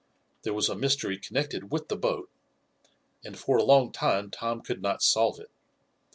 There was a mystery connected with the boat, and for a long time Tom could not solve it.